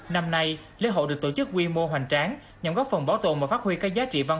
năm nay lễ hội được tổ chức quy mô hoành tráng nhằm góp phần bảo tồn và phát huy các giá trị văn